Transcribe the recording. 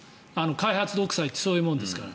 開発独裁ってそういうものですから。